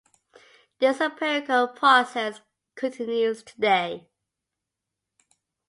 This empirical process continues today.